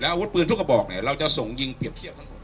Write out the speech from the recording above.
อาวุธปืนทุกกระบอกเนี่ยเราจะส่งยิงเปรียบเทียบทั้งหมด